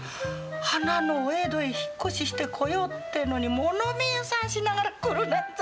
花のお江戸へ引っ越ししてこようってのに物見遊山しながら来るなんざ。